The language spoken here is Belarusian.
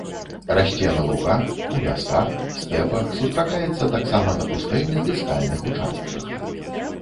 Расце на лугах, у лясах, стэпах, сустракаецца таксама на пустэльных і скальных участках.